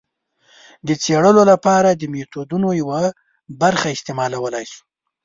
د څېړلو لپاره د میتودونو یوه برخه استعمالولای شو.